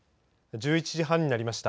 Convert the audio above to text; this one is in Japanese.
１１時半になりました。